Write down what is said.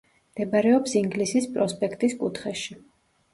მდებარეობს ინგლისის პროსპექტის კუთხეში.